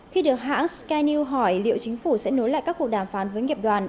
khi được hãng sky news hỏi liệu chính phủ sẽ nối lại các cuộc đàm phán với nghiệp đoàn